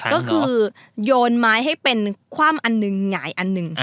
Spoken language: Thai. ก็คือโยนไม้ให้เป็นคว่ำอันหนึ่งหงายอันหนึ่ง